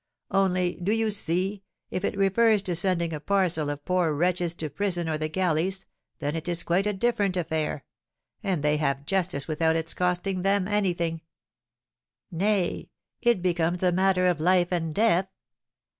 Only, do you see, if it refers to sending a parcel of poor wretches to prison or the galleys, then it is quite a different affair; and they have justice without its costing them anything, nay, it becomes a matter of life and death.